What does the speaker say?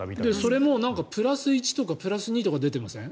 それもプラス１とか２とか出てません？